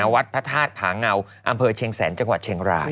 วัดพระธาตุผาเงาอำเภอเชียงแสนจังหวัดเชียงราย